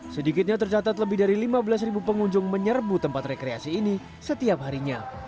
sedikitnya tercatat lebih dari lima belas ribu pengunjung menyerbu tempat rekreasi ini setiap harinya